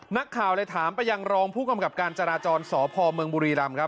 นักข่าวเลยถามประยังรองผู้กำกัดจราจรสพมบุรีรำ